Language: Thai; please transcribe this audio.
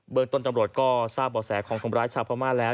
เมืองต้นตำรวจก็ทราบบ่อแสของคนร้ายชาวพม่าแล้ว